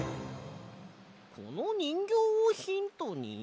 このにんぎょうをヒントに？